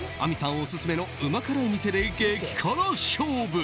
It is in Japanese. オススメのうま辛い店で激辛勝負。